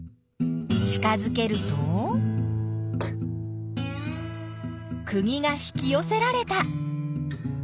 近づけるとくぎが引きよせられた！